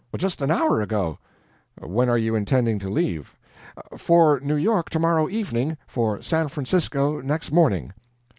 "Just an hour ago." "When are you intending to leave?" "For New York tomorrow evening for San Francisco next morning."